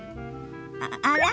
あら？